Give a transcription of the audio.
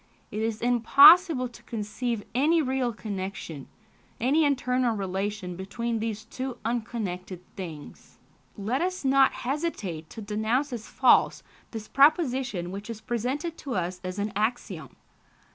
it is impossible to conceive any real connection, any internal relation between these two unconnected things." Let us not hesitate to denounce as false this proposition which is presented to us as an axiom.